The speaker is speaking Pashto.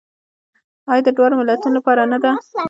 آیا د دواړو ملتونو لپاره نه ده؟